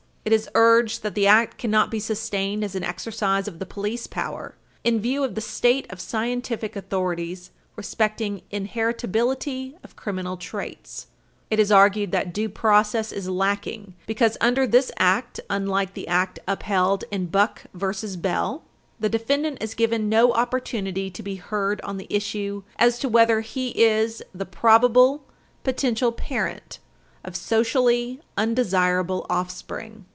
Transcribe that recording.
It is urged that the Act cannot be sustained as an exercise of the police power, in view Page 316 U. S. 538 of the state of scientific authorities respecting inheritability of criminal traits. [Footnote 1] It is argued that due process is lacking because, under this Act, unlike the Act [Footnote 2] upheld in Buck v. Bell, 274 U. S. 200, the defendant is given no opportunity to be heard on the issue as to whether he is the probable potential parent of socially undesirable offspring.